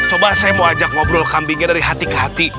coba saya mau ajak ngobrol kambingnya dari hati ke hati